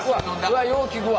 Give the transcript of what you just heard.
うわっよう効くわ。